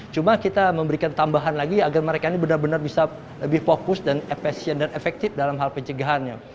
cuma kita memberikan tambahan lagi agar mereka bisa lebih fokus dan efektif dalam hal pencegahannya